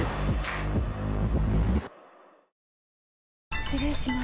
失礼します。